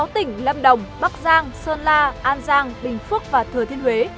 sáu tỉnh lâm đồng bắc giang sơn la an giang bình phước và thừa thiên huế